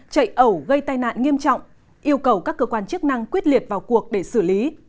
chạy ẩu gây tai nạn nghiêm trọng yêu cầu các cơ quan chức năng quyết liệt vào cuộc để xử lý